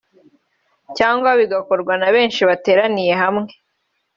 cyangwa bigakorwa na benshi bateraniye hamwe